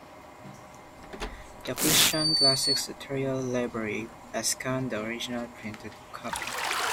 The Christian Classics Ethereal Library has scanned the original printed copy.